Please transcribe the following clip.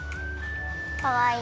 かわいい。